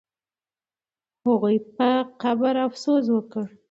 هغوی په قبر افسوس وکړ.